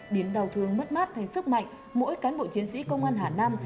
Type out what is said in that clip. biến đau thương mất mát thành sức mạnh mỗi cán bộ chiến sĩ công an hà nam